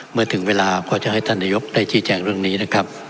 เมื่อถึงเวลาก็จะให้ท่านนายกได้ชี้แจงเรื่องนี้นะครับ